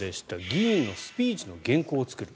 議員のスピーチの原稿を作る。